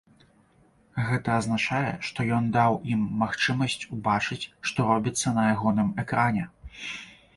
Гэта азначае, што ён даў ім магчымасць убачыць, што робіцца на ягоным экране.